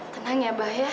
tenang ya abah ya